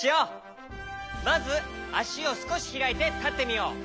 まずあしをすこしひらいてたってみよう。